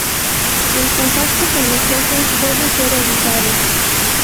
El contacto con los ojos debe ser evitado.